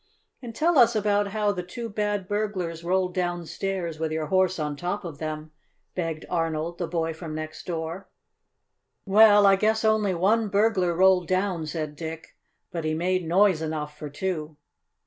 "And tell us about how the two bad burglars rolled downstairs with your horse on top of them," begged Arnold, the boy from next door. "Well, I guess only one burglar rolled down," said Dick. "But he made noise enough for two."